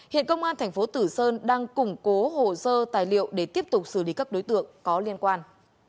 hiện công an thành phố tử sơn đang củng cố hồ sơ tài liệu để tiếp tục xử lý các đối tượng có liên quan